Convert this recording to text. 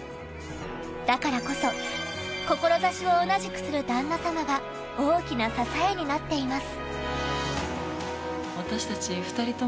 だからこそ志を同じくする旦那様が大きな支えになっています。